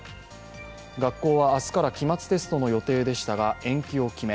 学校は明日から期末テストの予定でしたが、延期を決め